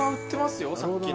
さっきの。